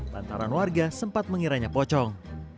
lantaran warga sempat mengiranya pocong